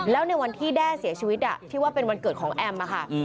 แล้วในวันที่แด้เสียชีวิตที่ว่าเป็นวันเกิดของแอมค่ะ